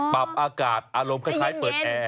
ปรับอากาศอารมณ์คล้ายเปิดแอร์